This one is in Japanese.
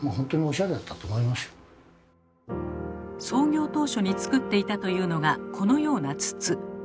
創業当初に作っていたというのがこのような筒。